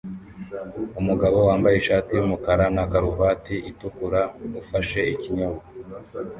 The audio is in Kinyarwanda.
Umugabo wambaye ishati yumukara na karuvati itukura ufashe ikinyobwa